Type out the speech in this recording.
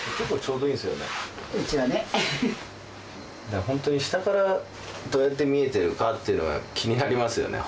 だから本当に下からどうやって見えてるかってのは気になりますよね。